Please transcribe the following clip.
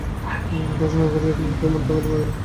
কাজ না করিয়া আমরা এক মুহূর্ত থাকিতে পারি না।